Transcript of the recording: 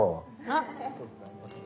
あっ。